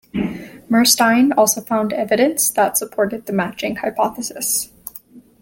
Murstein also found evidence that supported the matching hypothesis.